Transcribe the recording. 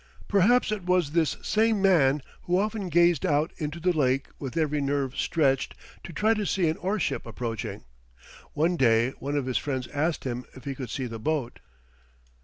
Perhaps it was this same man who often gazed out into the lake with every nerve stretched to try to see an ore ship approaching. One day one of his friends asked him if he could see the boat.